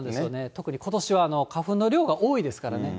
特にことしは花粉の量が多いですからね。